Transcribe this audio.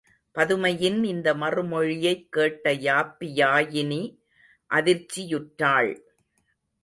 பதுமையின் இந்த மறுமொழியைக் கேட்ட யாப்பியாயினி அதிர்ச்சி யுற்றாள்.